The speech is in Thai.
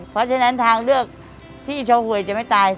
เพราะฉะนั้นทางเลือกที่โชว์หวยจะไม่ตาย